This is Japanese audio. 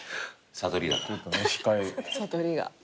悟りが。